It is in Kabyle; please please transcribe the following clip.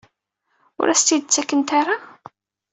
Ur as-tt-id-ttakent ara?